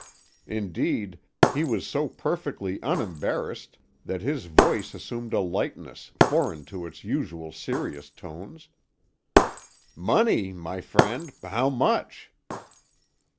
Indeed, he was so perfectly unembarrassed that his voice assumed a lightness foreign to its usual serious tones. "Money, my friend! How much?"